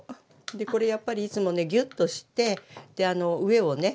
これやっぱりいつもねぎゅっとしてで上をね